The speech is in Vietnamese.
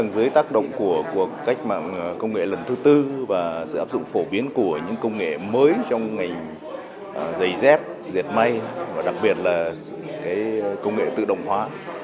giới tác động của công nghệ lần thứ tư và sự áp dụng phổ biến của những công nghệ mới trong ngành giày dép diệt me và đặc biệt là công nghệ tự động hóa